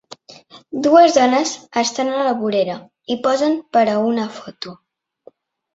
Dues dones estan a la vorera i posen per a una foto.